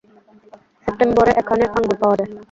সেপ্টেম্বরে ওখানে আঙ্গুর পাওয়া যায়।